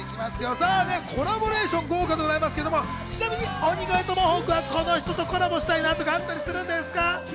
コラボレーション豪華ですけど、ちなみに鬼越トマホーク、この人とコラボしてみたいなとかあったりするんですか？